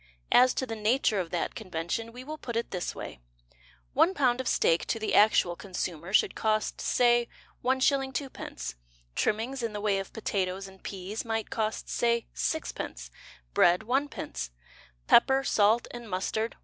As to the nature of that convention We will put it this way: One pound of steak To the actual consumer Should cost, say, 1s. 2d. Trimmings In the way of potatoes and peas might cost, say, 6d., Bread, 1d., Pepper, salt, and mustard, 1d.